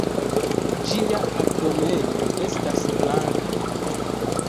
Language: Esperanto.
Ĝia abdomeno estas blanka.